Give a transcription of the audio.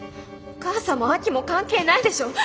お母さんも亜紀も関係ないでしょ！